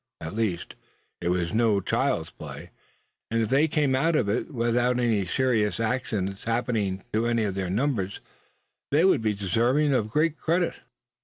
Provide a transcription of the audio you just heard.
At least, it was no child's play; and if they came out of it without any serious accident happening to any of their number, they would be deserving of great credit.